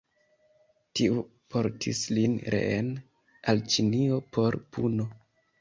Tiu portis lin reen al Ĉinio por puno.